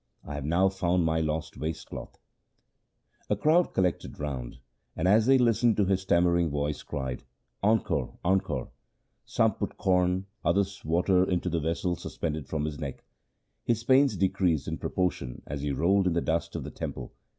I have now found my lost waist cloth ! K 2 i 3 2 THE SIKH RELIGION A crowd collected round, and as they listened to his stammering voice cried, ' Encore ! encore !' Some put corn, others water into the vessel suspended from his neck. His pains decreased in proportion as he rolled in the dust of the temple.